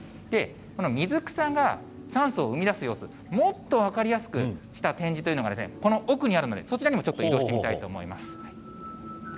この水草が酸素を生み出す様子、もっと分かりやすくした展示というのが、この奥にあるので、そちらにもちょっと移動してみたいと思います。